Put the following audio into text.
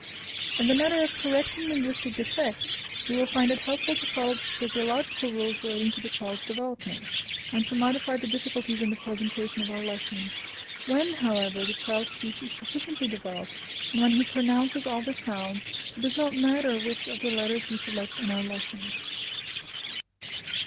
In the matter of correcting linguistic defects, we will find it helpful to follow the physiological rules relating to the child's development, and to modify the difficulties in the presentation of our lesson. When, however, the child's speech is sufficiently developed, and when he pronounces all the sounds, it does not matter which of the letters we select in our lessons.